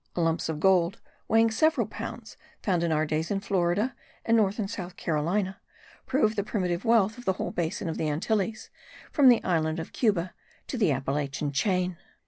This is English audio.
Lumps of gold weighing several pounds, found in our days in Florida and North and South Carolina, prove the primitive wealth of the whole basin of the Antilles from the island of Cuba to the Appalachian chain.